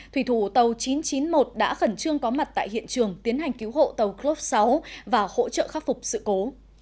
thủy thủ tàu chín trăm chín mươi một đã khẩn trương có mặt tại hiện trường tiến hành cứu hộ tàu group sáu và hỗ trợ khắc phục sự cố